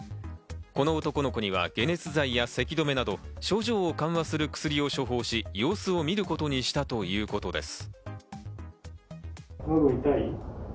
この男の子には解熱剤や、せき止めなど症状を緩和する薬を処方し、様子を見ることにしたということです。